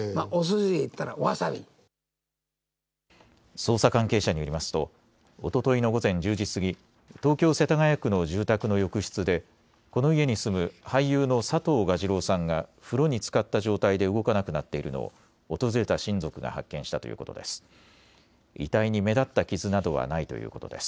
捜査関係者によりますとおとといの午前１０時過ぎ東京世田谷区の住宅の浴室でこの家に住む俳優の佐藤蛾次郎さんが風呂につかった状態で動かなくなっているのを訪れた親族が発見したということです。